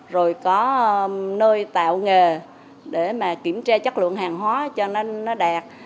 rồi có nơi tạo nghề để mà kiểm tra chất lượng hàng hóa cho nên nó đẹp